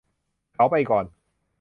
เขาไปก่อน